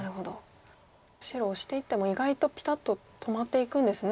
白オシていっても意外とピタッと止まっていくんですね